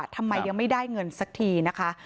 ยังไม่ได้เงินสักทีนะคะ